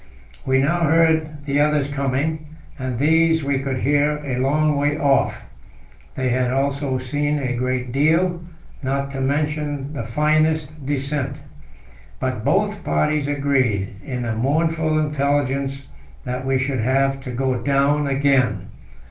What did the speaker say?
We now heard the others coming, and these we could hear a long way off. They had also seen a great deal, not to mention "the finest descent." But both parties agreed in the mournful intelligence that we should have to go down again.